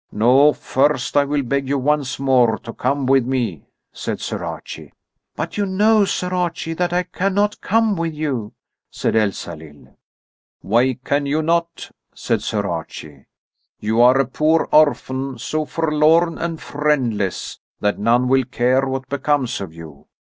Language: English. "No, first will I beg you once more to come with me," said Sir Archie. "But you know, Sir Archie, that I cannot come with you," said Elsalill. "Why can you not?" said Sir Archie. "You are a poor orphan, so forlorn and friendless that none will care what becomes of you.